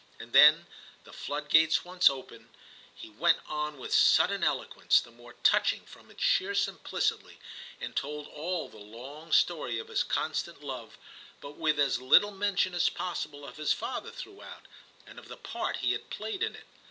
And then, the floodgates once open, he went on with sudden eloquence, the more touching from its sheer simplicity, and told all the long story of his constant love, but with as little mention as possible of his father throughout, and of the part he had played in it.